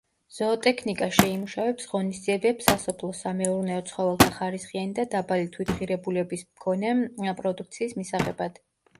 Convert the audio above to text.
ზოოტექნიკა შეიმუშავებს ღონისძიებებს სასოფლო-სამეურნეო ცხოველთა ხარისხიანი და დაბალი თვითღირებულების მქონე პროდუქციის მისაღებად.